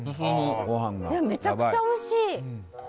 めちゃくちゃおいしい。